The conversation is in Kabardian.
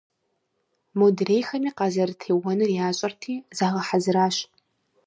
Модрейхэми къазэрытеуэнур ящӏэрти, загъэхьэзыращ.